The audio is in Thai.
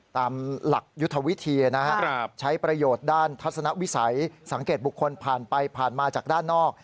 ตามหลักยุทธวิธีใช้ประโยชน์ด้านทัศนวิสัยสังเกตบุคคลผ่านไปผ่านมาจากด้านนอก